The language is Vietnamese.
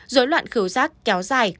rối loạn khứu rác kéo dài